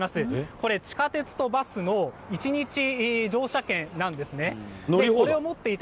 これ、地下鉄とバスの１日乗車券なんですね。